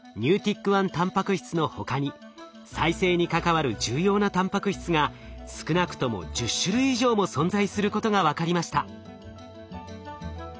たんぱく質の他に再生に関わる重要なたんぱく質が少なくとも１０種類以上も存在することが分かりました。